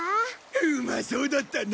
うまそうだったな。